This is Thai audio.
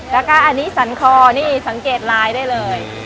แล้วก็อันนี้สันคอนี่สังเกตไลน์ได้เลย